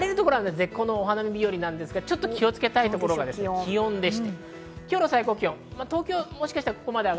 晴れる所は絶好のお花見日和ですが気をつけたいのが気温です。